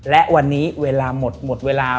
และวันนี้เวลาหมดหมดเวลา